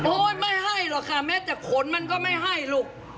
ไม่ให้หรอกค่ะแม้แต่ขนมันก็ไม่ให้ลูก